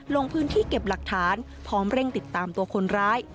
ลงพื้นที่เก็บหลักฐานพร้อมเร่งติดตามตัวคนร้าย